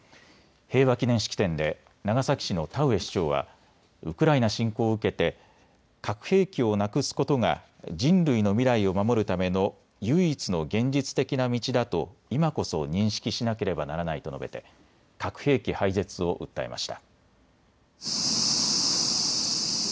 平和祈念式典で長崎市の田上市長はウクライナ侵攻を受けて核兵器をなくすことが人類の未来を守るための唯一の現実的な道だと今こそ認識しなければならないと述べて核兵器廃絶を訴えました。